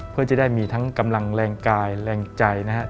เพื่อจะได้มีทั้งกำลังแรงกายแรงใจนะครับ